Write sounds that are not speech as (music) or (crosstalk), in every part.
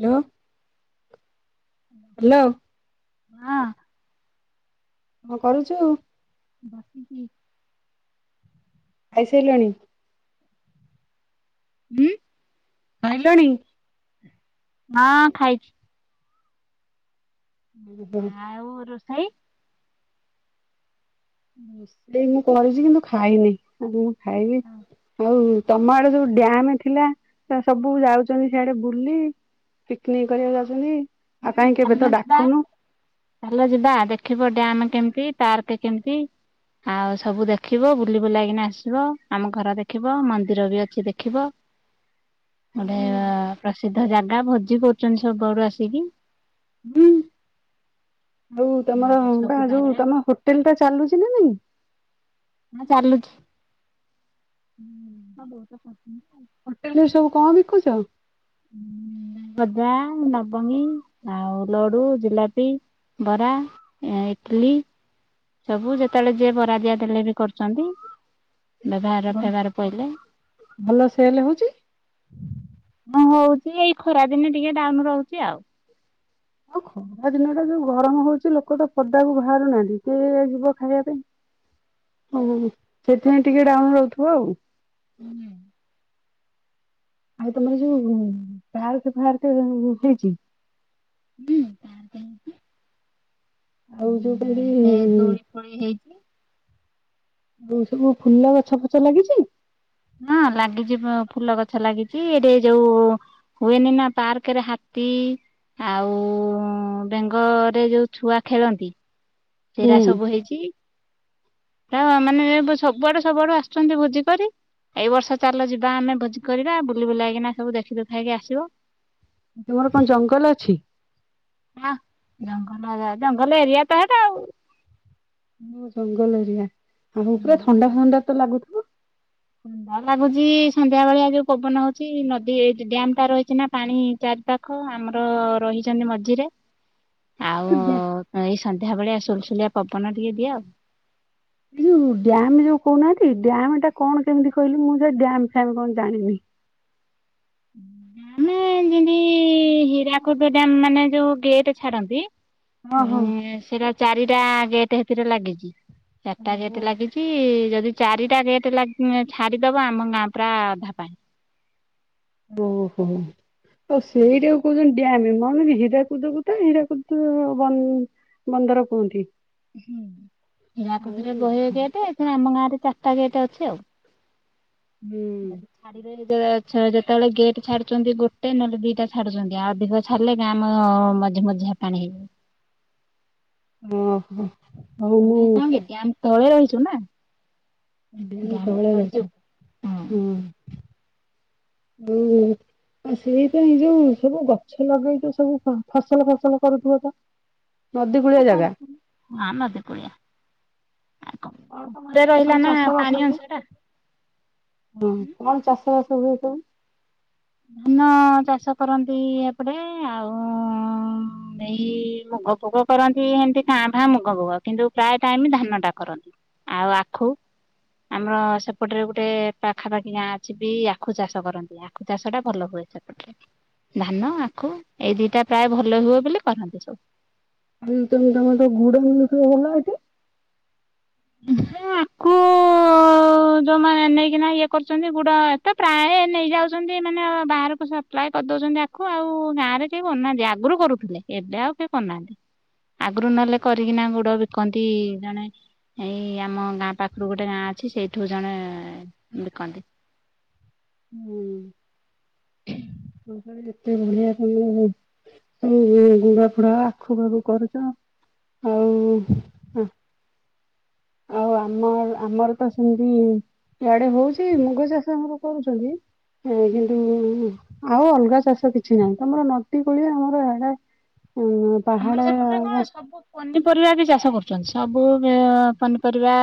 Hello hello ହଁ କଣ କରୁଛୁ? ବାସିଛି। ଖାଇସାଇ ଲୁଣି ହଁ ଖାଇଲଣି ହଁ ଖାଇଛି। ହୁଁ ହୁଁ ଖାଇ ରୋଷେଇ ମୁଁ କରିଛି କିନ୍ତୁ ଖାଇନି ଖାଇବି ଆଉ ତମ ଆଡ ଯୋଉ ଡ୍ୟାମ ଥିଲା ସବୁ ଯାଉଛନ୍ତି ସିଆଡେ ବୁଲି ପିକନିକ କରିବାକୁ ଯାଉଛନ୍ତି। ଆଉ ହୁଁ କାହିଁ କେବେ ତ ଚାଲୁନା ଯିବା ଡାକୁନୁ। ଚାଲ ଯିବା ଦେଖିବ ଡ୍ୟାମ କେମତି ପାର୍କ କେମିତି ଆଉ ସବୁ ଦେଖିବ ବୁଲି ବୁଲିକିନା ଆସିବ ଆମ ଘର ଦେଖିବ ମନ୍ଦିର ବି ଅଛି ଦେଖିବ। ଗୋଟେ ପ୍ରସିଦ୍ଧ ଜାଗା ଭୋ ଭୋଜି କରୁଛନ୍ତି ସବୁ ଆଡୁ ଆସିକି ବୁଲି ହଉ ନୂଆ ତମର ବା ବର୍ଷକୁ ଯୋଉ ବାହାରିବା ତମ ହୋଟେଲ ଟା ଚାଲୁଛି ନା ନାଇଁ ହଁ ଚାଲଲୁଛି। ହଁ ବହୁତ ଖର୍ଚ୍ଚ ହେଇଚି ଆଉ କହୁଛ ଗଜା, ଲବଙ୍ଗୀ, ଆଉ ଲଡୁ, ଜିଲାପି, ବରା, ଇଟଲି ସବୁ ଯେତେବେଳେ ଯିଏ ବରା ଦିଆ ଦେଲେ ବି କରୁଛନ୍ତି। ବ୍ୟବହାର ଫ୍ୟବହାର ପଇଲେ ଭଲ ସେଲ ହଉଛି? (inaudible) ହଁ ହଉଛି ଏଇ ଖରା ଦିନେ ଟିକେ ଡାଉନ ରହୁଛି ଆଉ। ଆଉ ଖରା ଦିନ ଟା ଯୋଉ ଗରମ ହଉଛି ଲୋକ ତ ପଦାକୁ ବାହାରୁନାହାନ୍ତି କିଏ ଯିବ ଖାଇବା ପାଇଁ ଓ ସେ ନାଇଁ ଟିକେ ଡାଉନ ରହୁଥିବ ଆଉ ହୁଁ। ଆଉ ତମର ଯୋଉ ପାର୍କ ଫାର୍କ ହେଇଛି। ହୁଁ ପାର୍କ ହେଇଛି। ଆଉ ଯୋଉ କାଲି ଫୋଳି ହେଇଛି। ହଉ ସବୁ ଫୁଲ ଗଛ ଫଛ ଲାଗିଛି ହଁ ଲାଗିଛି ଫୁଲ ଗଛ ଲାଗିଛି ଏଠି ଯୋଉ ହୁଏନି ନା ପାର୍କରେ ହାତୀ ଆଉ ବେଙ୍ଗରେ ଯୋଉ ଛୁଆ ଖେଳନ୍ତି ସେରା ହୁଁ। ସବୁ ହେଇଛି। ମାନେ ସବୁଆଡୁ ସବୁଆଡୁ ଆସୁଛନ୍ତି ଭୋଜି କରି ଏଇ ବର୍ଷ ଚାଲ ଯିବା ଆମେ ଭୋଜି କରିବା ବୁଲି ବୁଲାଇକିନା ସବୁ ଦେଖି ଦେଖିଦୁଖାକି ଆସିବ। ତୁମର କଣ ଜଙ୍ଗଲ ଅଛି। ହ ଜଙ୍ଗଲ ଏରିଆ ଟା ଭଲ ଏରିଆ ଟା ହେଟା ଆଉ। ମୁ ଜଙ୍ଗଲ ଏରିଆ ଆଉ ପୁରା ଥଣ୍ଡା ଥଣ୍ଡା ତ ଲାଗୁଥିବ। ଲାଗୁଛି ସନ୍ଧ୍ୟା ଭଳିଆ ଯୋଉ ପବନ ହଉଛି ନଦୀ ଏ ଡ୍ୟାମ ଟା ରହିଛି ନା ପାଣି ଚାରି ପାାଖ ଆମର ରହିଛନ୍ତି ମଝିରେ ଆଉ ଏ ଏଇ ସନ୍ଧ୍ୟା ଭଳିଆ ସୁଲସୁଲିଆ ପବନ ଟିକେ ଦିଏ ଆଉ। ଯୋଉ ଡ୍ୟାମ ଯୋଉ କହୁନାହାନ୍ତି ଡ୍ୟାମ ଟା କଣ କେମିତି କହିଲି ମୁଁ ସେ ଡ୍ୟାମ ଫ୍ୟାମ କଣ ଜାଣିନି। ମାନେ ଯେମତି ହୀରାକୁଦ ଡ଼୍ୟାମ ମାନେ ଯୋଉ ଗେଟ ଛାଡନ୍ତି। ହଁ ହୁଁ ହଁ। ସେଇଟା ଚାରିଟା ଗେଟ୍ ହେଥିରେ ଲାଗିଛି। ଚାରିଟା ଓହୋ। ଗେଟେ ଲାଗିଛି ଯଦି ଯ ଚାରିଟା ଗେଟ ଛାଡିଦବ ଆମ ଗାଁ ପୁରା ଅଧା ପାଣି ଓ ହୋ। ଆଉ ସେଇଟା କୁ କହୁଛନ୍ତି ଡାମେ ମନେ ହୀରାକୁଦକୁ ତ ହୀରାକୁଦ ବନ୍ଦର କୁହନ୍ତି- ହୁଁ ହରାକୁଦରେ ଆଉ ବହେ ଗେଟ୍ ଏଠି ଆମ ଗାଁ- ଚାରିଟା ଗେଟ୍ ଅଛି ଆଉ। ଯଦି ହୁଁ ଛାଡ଼ିଦେବେତ ଯେତେବେଳେ ଗେଟ୍ ଛାଡୁଛନ୍ତି ଗୋଟେ ନହେଲେ ଦିଟା ଛାଡୁଛନ୍ତି ଆଉ ଅଧିକ ଛାଡିଲେ ଗାଁ ମଝି ମଝିଆ ପାଣି ହେଇଜିବ। ମୁଁ। ହଉ ଆମେ ହଉ। କଣ କି ଡ୍ୟାମ୍ ତଳେ ରହିଛୁ ନା ବାନୀ ଡ୍ୟାମ୍ ତ ଟା ବଳ ରହିଛୁ ରହିଛ ହଁ ହୁଁ ଆଉ ସେଇପାଇ ଯୋଉ ସବୁ ଗଛ ଲଗେଇଥ ସବୁ ଫସଲ ଫସଲ କରୁଥିବ ତ ନଦୀ କୂଳିଆ ଜାଗା କହୁ ହଁ ମତେ କଆ କଣ ତମର ସେଠି ସବୁ ପାଣି ଚାଷବାସ ଅଂଶ ହୁଏ ଟା। ହଁ କଣ ଚାଷବାସ ହଁ ପା ଧାନ ଚାଷ କରନ୍ତି, ଏପଟେ ଆଉ ଏଇ ମୁଗ ଫୋଗ କରନ୍ତି, ଏମିତି କାଁ ଭାଁ ମୁଗ ଫୋଗ କିନ୍ତୁ ପ୍ରାୟ ଟାଇମ ଧାନ ଟା କରନ୍ତି ଆଉ ଆଖୁ ଆମର ସେପଟରେ ଗୋଟେ ପାଖାପାଖି ଗାଁ ଅଛି ବି ଆଖୁ ଚାଷ କରନ୍ତି ଆ ଚାଷ ଟା ଭଲ ହୁଏ ସେପଟେ ଧାନ ଆଖୁ ଏଇ ଦିଟା ପ୍ରାୟ ଭଲ ହୁଏ ବୋଲି କରନ୍ତି ସବୁ ଆ ତମେ ତମର ତ ଘୋଡ଼ାଷ ବଲାଛି ଆଖୁ ଯୋଉମାନେ ନେଇକିନା ଇଏ କରୁଛନ୍ତି ଗୁଡ ଏତ ପ୍ରାୟ ନେଇଯାଉଛନ୍ତି ମାନେ ବାହାରକୁ ସପ୍ଲାଏ କରିଦଉଛନ୍ତି ଆଖୁ ଆଉ ଗାଁ ରେ ଟଏ କରୁନାହାନ୍ତି ଆଗରୁ କରୁଥିଲେ ଏବେ ଆଉ କିଏ କରନାହାନ୍ତି ଆଗରୁ ନହେଲେ କରିକିନା ଗୁଡ ବିକନ୍ତି ଜଣେ ଏଇ ଆମ ଗାଁ ପାଖରୁ ଗୋଟେ ଗାଁ ଅଛି ସେଇଠୁ ଜଣେ ବିକନ୍ତି ହ ଏତେ ଭଳିଆ ତମ ଗୁଡା ଫୁଡା ଆଖୁ ବାଖୁ କରୁଛ ଆଉ ଆଉ ଆମର ଆମର ତ ସେମିତି ଇଡେ ହଉଛି ମୁଗ ଚାଷ ଆମର କରୁଛନ୍ତି। କିନ୍ତୁ ଆଉ ଅଲଗା ଚାଷ କିଛି ନାହିଁ ତମର ନଦୀ କୋଳିଆ ଆମର ଏଡା ହଁ ପହାଡ଼ ନିପରିବା ବି ଚାଷ କରୁଛନ୍ତି, ସବୁ ପନିପରିବା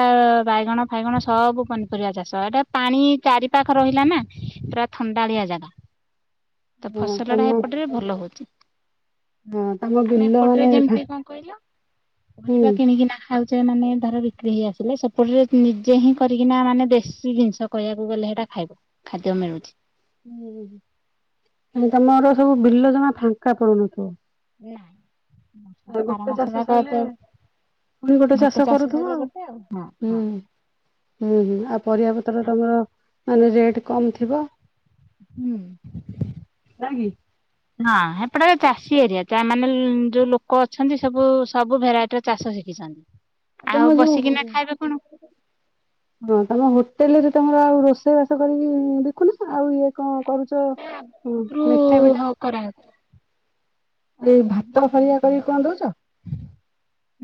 ବାଇଗଣ ଫାଇଗଣ ସବୁ ପନିପରିବା ଚାଷ ଏଟା ପାଣି ଚାରି ପାାଖ ରହିଲା ନା ପୁରା ଥଣ୍ଡାଳିଆ ଜାଗା ତ ଫସଲଟା ଏପଟେରେ ଭଲ ହଉଚ ହଁ ଆମେ ଏପଟରେ ଯେମିତି କଣ କହିଲ ହୁଁ ପରିବା କିଣିକି ନା ଖାଉଛ ମାନେ ଧର ବିକ୍ରି ହେଇ ଆସିଲେ ସେପଟରେ ନିଜେ ହିଁ କରିକିନା ମାନେ ଦେଶୀ ଜିନିଷ କହିବାକୁ ଗଲେ ସେଟା ଖାଇବ ଖାଦ୍ୟ ମିଳୁଛି ତମର ସବୁ ବିଲ ଜମା ଫାଙ୍କା ପଡୁନଥିବ ନାଁ ଆ ଗୋଟେ ଚାଷ ସରଲେ ପୁଣି ଗୋଟେ ଚାଷ କରୁଥିବ ସରିଲେ ଆଉ ଗୋଟେ ହଁ ହଁ ହୁଁ ହୁଁ ଆଉ ପରିବାପତ୍ର ତମର ମାନେ ରେଟ୍ କମ୍ ଥିବ। ହୁଁ ନା କି? ହଁ ଏପଟ ଚାଷୀ ଏରିଆ ମାନେ ଯୋଉ ଲୋକ ଅଛନ୍ତି ସବୁ ସବୁ ଭେରାଇଟିର ଚାଷ ଶିଖିଛନ୍ତି। ଆ ଆଉ ତମେ ଯୋଉ ବସିକିନା ଖାଇବେ କଣ (inaudible) ଯୋଉ ତମ ହୋଟେଲରେ। ତମର ଆଉ ରୋଷେଇ ବାସ କରିକି ଦେଖୁନ ଆଉ ଇଏ କଣ? କରୁଛ ହୁଁ (inaudible) ଋ ମିଠା (unintelligible) ଫିଠା ହଁ କରା ହେଇ ଥିଲା। ଏଇ ଭାତ ଫରିଆ କରିକି କଣ ଦଉଚ?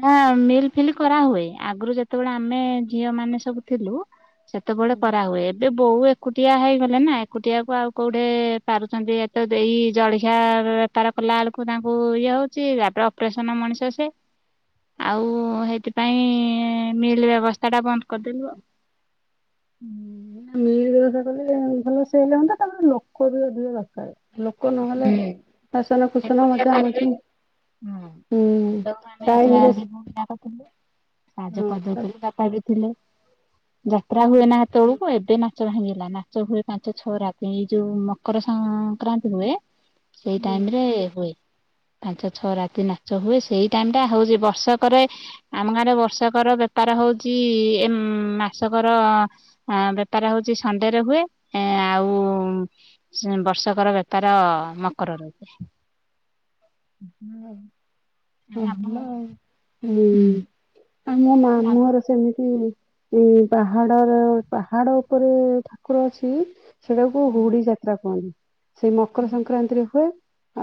ନା ମିଲ୍ ଫିଲ୍ କରାହୁଏ ଆଗରୁ ଯେତେବେଳେ ଆମେ ଝିଅ ମାନେ ସବୁ ଥିଲୁ (inaudible) ସେତେବେଳେ କରାହୁଏ। ଏ ବୋଉ ଏକୁଟିଆ ହେଇଗଲେ ନା ଏକୁଟିଆକୁ ଆଉ କୋଉଠେ ପାରୁଛନ୍ତି ଏତ ଦେଇ ଜଳିଖିଆ ବେପାର କଲା ବେଳକୁ ତାଙ୍କୁ ଇଏ ହଉଛି ତାପରେ ଅପରେସନ ମଣିଷ ସେ ଆଉ ହେଥିପାଇଁ ମିଲ୍ ବ୍ୟବସ୍ଥା ଟା ବନ୍ଦ କରିଦେଲୁ ଆଉ। ହୁଁ ମିଲ୍ ବ୍ୟବସ୍ଥା କଲେ ଏଁ ଭଲ ସେଲ୍ ହନ୍ତା ତା ପରେ ଲୋକ ବି ଅଧିକ ଦରକାରେ। ହୁ କୁସନ ଏକୁଟିଆ ମଜା ପାରିବେ ମଜି ହୁଁ ତ ଆମେ ଟାଇମରେ ଚାରି ଭଉଣୀ ହଁ ଯାଙ୍କ ଥିଲୁ (inaudible) ଥିଲେ ଯାତ୍ରା ହୁଏ ନା ସେ ତେବେଳକୁ ଏବେ ଗୋଟେ ମାଛ ଭାଙ୍ଗିଗଲା ମାଛ ହୁଏ ପାଞ୍ଚ ଛଅ ରାତି ଏଇ ଯୋଉ ମକର ସଂକ୍ରାନ୍ତି ହୁଏ ସେଇ ଟାଇମ୍ ରେ ହୁଏ। ପାଞ୍ଚ ଛଅ ରାତି ନାଚ ହୁଏ। ସେଇ ଟାଇମ୍ ଟା ହଉଚି ବର୍ଷକରେ ଆମ ଗାଁରେ ବର୍ଷକର ବେପାର ହଉଚି ଇ -ଇ ମାସକର ବେପାର ହଉଚି ସଣ୍ଡେରେ ହୁଏ। ଆଉ ଉପରେ ଉପରେ ବର୍ଷକର ବେପ ତାର ମକର ରହୁଛି ହୁଁ ହଁ ଭଲ ଆଉ ହୁଏ। ଆଉ ମୋ ଲାଭ ମାମୁଁ ଘର ସେମିତି ଉ ପାହାଡର ପାହାଡ ଉପରେ ଠାକୁର ଅଛି ସେଇଟାକୁ କ ହୁଡି ଯାତ୍ରା କୁହନ୍ତି। ସେଇ ମକର ସଂକ୍ରାନ୍ତିରେ ହୁଏ।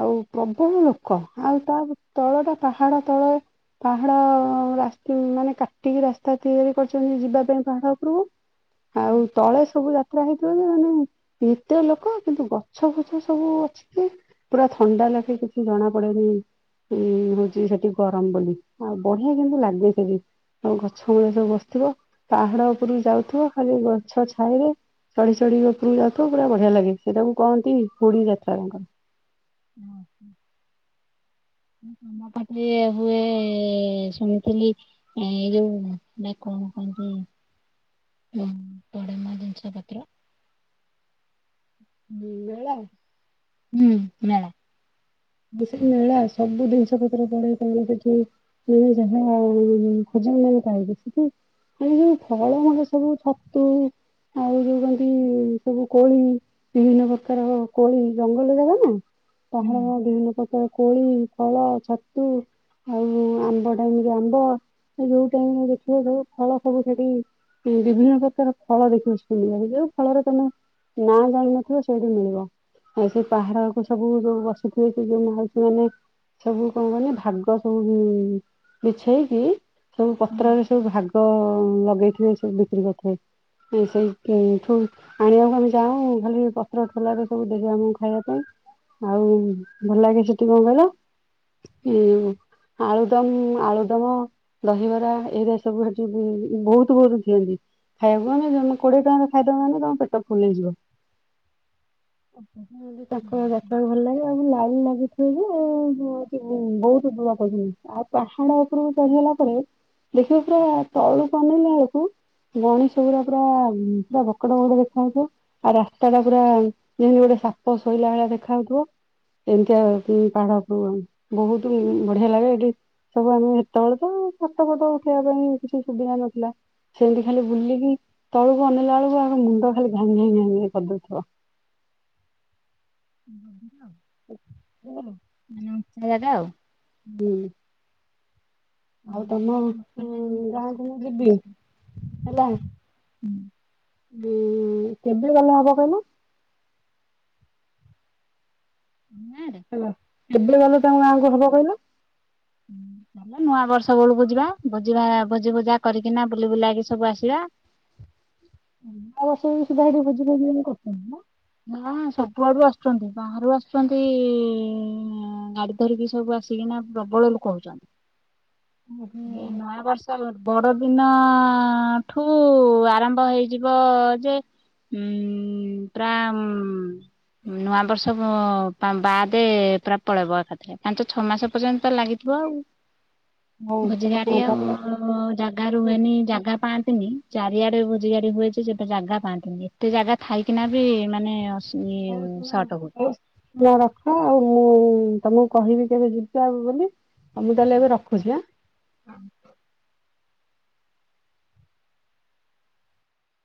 ଆଉ ପ୍ରବଳ ଲୋକ କଣ ଆଉ ତା ତଳ ଟା ପାହାଡ ତଳ ପାହାଡ଼ ମାନେ କାଟିକି ରାସ୍ତା ତିଆରି କରିଛନ୍ତି ଯିବା ପାଇଁ ପାହାଡ଼ ଉପରକୁ ଆଉ ତଳେ ସବୁ ଯାଗ (unintelligible) ହେଇଥିବ ଯେ ମାନେ ନିତ ଲୋକ କିନ୍ତୁ ଗଛ ଫଛ ସବୁ ଅଛି କି ପୁରା ଥଣ୍ଡା ଲାଖେ କିଛି ଜଣା (unintelligible) ହଉଛି ସେଠି ଗରମ ବୋଲି ଆଉ ବଢିଆ କିନ୍ତୁ ଲାଗେ ସେଠି ଗଛ ମୂଳେ ସବୁ ବସିଥିବ ପାହାଡ ଉପରୁକୁ ଯାଉଥିବ ଖାଲି ଗଛ ଛାଇରେ ଚଢି ସଢି ଉପକୁ ଯାଉଥିବ ପୁରା ବଢିଆ ଲାଗେ ସେଟାକୁ କହନ୍ତି ହୁଡି ଯାତ୍ରା ତାଙ୍କର। ଓ ତମାପଟ ହୁଏ ଶୁଣିଥିଲି ଏଇ ଯୋଉ ନା କଣ କହନ୍ତି (unintelligible) ପଡିମା ଜିନିଷ ପତ୍ର (unintelligible) (inaudible) ହୁଁ ମେଳା (unintelligible) ସେଇ ମେଳା ସବୁ ଜିନିଷ ପତ୍ର ପଳେଇ ପାଇଁ ସେଠ (unintelligible) ଯୋଉ ଫଳ ମୂଳ ମାନେ ସବୁ ଛତୁ ଆଉ ଯୋଉ କନ୍ତି ସବୁ କୋଳି ବିଭିନ୍ନ ପ୍ରକାର କୋଳି ଜଙ୍ଗଲ ଜାଗା ନା ହୁଁ ଓହୋ କୋଳି ଫଳ ଛତୁ ଆଉ ଆମ୍ବ ଟାଇମ୍ ରେ ଆମ୍ବ ଯୋଉ ଟାଇମ୍ ଦେଖିବ ସେ ଫଳ ଫଳ ସବୁ ସେଠି ବିଭିନ୍ନ ପ୍ରକାର ଫଳ ଦେଖିବ ସେଇଠି ମିିଳିବ ଯୋଉ ଫଳରେ ତମେ ନାଁ ଜାଣିନଥିବ ସେଇଠି ମିଳିବ ଆଉ ସେଇ ପାହାଡକୁ ସବୁ ଯୋଉ (unintelligible) ଯୋଉ ହଉଛି ମାନେ ସବୁ କଣ କହନି ଭାଗ ସବୁ ବିଛେଇକି ସବୁ ହୁଁ ପତ୍ରରେ ସବୁ ଭାଗ ଲଗେଇଥିବେ ସବୁ ବିକ୍ରି କରିଥାଏ ସେଇଠୁ ଆଣିବାକୁ ଆମେ ଯାଉ ଖାଲି ପତ୍ର ଠୋଲାାରେ ସବୁ ଦେବେ ଆମକୁ ଖାଇବା ପାଇଁ ଆଉ ଭଲ ଲାଗେ ସେଠି କଣ କହିଲ ଏଇ ଆଳୁଦମ୍ ଆଳୁଦମ ଦହିବରା ଏଇଟା ସବୁ ହଉଛି ସେଠି ବହୁତ ବହୁତ ଦିଅନ୍ତି ଖାଇବାକୁ ମାନେମେ କୋଡିଏ ଟଙ୍କାର ଖାଇଦବ ମାନେ ତମ ପେଟ ଫୁଲେଇଯିବ। (unintelligible) ଭଲ ଲାଗେ ଲାଲ ଲାଗୁଥିବ ଯେ ବହୁତ ବଡ ପିନ ଆଉ ପାହାଡ ଉପରକୁ ଚଢିଗଲା ପରେ ଦେଖିବ ପୁରା ତଳୁ ବନେଇିଲା ବେଳକୁ ଗଣେଶ ପୁରା ପୁରା ପୁରା ବକଡ ବକଡ ଦେଖା ହାଉଉଥିବ ଆଉ ରାସ୍ତା ଟା ପୁରା ଯେମିତି ଗୋଟେ ସାପ ଶୋଇଲା ଭଳିଆ ଦେଖା ହଉଥିବ। ଏମିତି ଆଉ ପାହାଡକୁ ବହୁତ ବଢିଆ ଲାଗେ ଏଠି ସବୁ ଆମେ ସେତେବେଳେ ତ ଫଟ ଫଟ ଉଠେଇବା ପାଇଁ କିଛି ସୁବିଧା ନଥିଲା ସେମିତି ଖାଲି ବୁଲିକି ତଳକୁ ଅନେଇଲା ବେଳକୁ ଆ ମୁଣ୍ଡ ଖାଲି ଘାଙ୍ଗି ଘାଙ୍ଗି ଘାଙ୍ଗି କରିଦଉଥିବ। ହ ହୁଁ ସେ ଦାଦା ଆଉ। ହୁଁ ଆଉ ତମ ଆମର ଉ ମକରରେ ପ୍ରସିଦ୍ଧ ଗାଁକୁ ମୁଁ ହୁଏ ଯିବି ଖୁସିରେ। ହେଲା। ହୁଁ ଉଁ କେବେ ଗଲେ ହବ କହିଲୁ। ଆମ ଗାଁରେ ହେଲା। କେବେ ଗଲେ ତାଙ୍କ ଗାଁଙ୍କୁ ହବ କହିଲ। ତାଲେ ନୂଆ ବର୍ଷ ବେଳକୁ ଯିବା। ଭୋଜି ଭୋଜି ଭୋଜା କରିକିନା ବୁଲି ବୁଲାକି ସବୁ ଆସିବା। (inaudible) ଷ ସୁଧା ହେଇଡି ଭୋଜନ ଭ କର ନା ନା ସବୁଆଡୁ ଆସୁଛନ୍ତି ବାହାରୁ ଆସୁଚନ୍ତି। ଗାଡି ଧରିକି ସବୁ ଆସିକିନା ପ୍ରବଳ ଲୋକ ହଉଛନ୍ତି। ହଉ ଏ ନୂଆ ବର୍ଷ ବଡଦିନ ଠୁ ଆରମ୍ଭ ହେଇଯିବ ଯେ ଉଁ ପୁରା ନୂଆ ବର୍ଷ ବାଦ ପୁରା ପଳେଇବ ଏକାଥରେ ପାଞ୍ଚ ଛଅ ମାସ ପର୍ଯ୍ୟନ୍ତ ତ ଲାଗିଥିବ ଆଉ। ହଉ ଭୋଜି ଗାଡି ହଁ ଆଉ ତାହେଲେ ଜାଗା ରୁହେନି ଜାଗା ପାଆ ଚାରିଆଡେ ଭୋଜି ଗାଡି ହୁଏଯେ ସେଟି ଜାଗା ପାଆନ୍ତିନି। ଏତେ ଜାଗା ଥାଇକି ନା ବି ମାନେ ଅ ହଉ ଶୁଣ ହଉ ରଖ ଆଉ ମୁଁ ହୁଁ ତମକୁ କହିବି କେବେ ଯିବା ଆଉ ବୋଲି ଆଉ ମୁଁ ତାହେଲେ ଏବେ ରଖୁଛି ଆଁ। (inaudible)